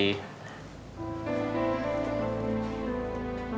lagi sibuk ya